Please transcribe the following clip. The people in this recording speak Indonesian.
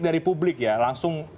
dari publik ya langsung